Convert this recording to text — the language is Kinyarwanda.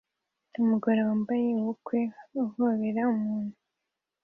Umugore wambaye ubukwe ahobera umuntu